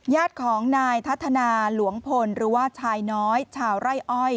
ญาติของนายทัศนาหลวงพลหรือว่าชายน้อยชาวไร่อ้อย